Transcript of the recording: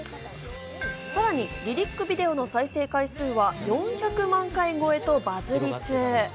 さらにリリックビデオの再生回数は４００万回超えとバズり中。